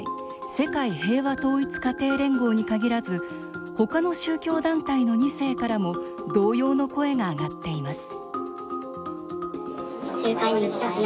世界平和統一家庭連合に限らず他の宗教団体の２世からも同様の声が上がっています